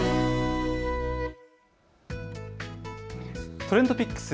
ＴｒｅｎｄＰｉｃｋｓ。